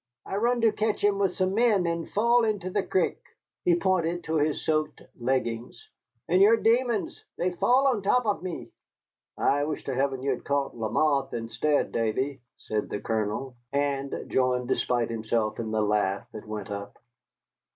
I run to catch him with some men and fall into the crick " he pointed to his soaked leggings, "and your demons, they fall on top of me." "I wish to heaven you had caught Lamothe instead, Davy," said the Colonel, and joined despite himself in the laugh that went up.